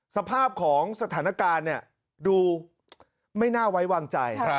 สภาพของสถานการณ์ดูไม่น่าไว้วางใจ